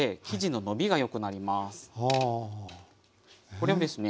これをですね